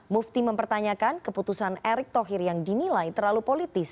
mufti mempertanyakan keputusan erick thohir yang dinilai terlalu politis